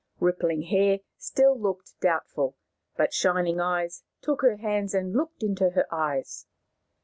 Rippling Hair still looked doubtful, but Shining Eyes took her hands and looked into her eyes.